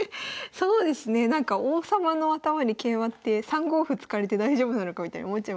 そうですねなんか王様の頭に桂馬って３五歩突かれて大丈夫なのかみたいに思っちゃいますけど。